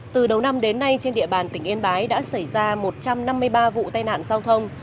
từ đầu năm đến nay trên địa bàn tỉnh yên bái đã xảy ra một trăm năm mươi ba vụ tai nạn giao thông